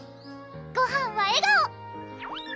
ごはんは笑顔！